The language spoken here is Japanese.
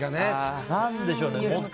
何でしょうね。